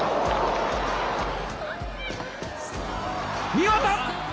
見事！